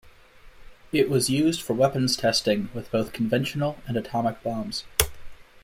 It was used for weapons testing with both conventional and atomic bombs.